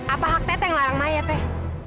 apa hak teteh ngelarang maya teh